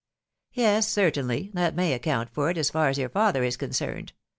" Yes, certainly, that may account for it as far as your father is concerned.